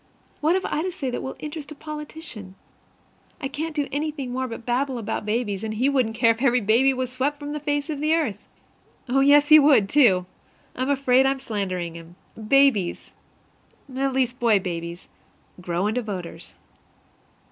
What have I to say that will interest a politician? I can't do anything any more but babble about babies, and he wouldn't care if every baby was swept from the face of the earth. Oh, yes, he would, too! I'm afraid I'm slandering him. Babies at least boy babies grow into voters.